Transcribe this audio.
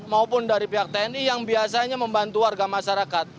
maupun dari pihak tni yang biasanya membantu warga masyarakat